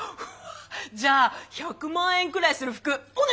じゃあ１００万円くらいする服お願いします！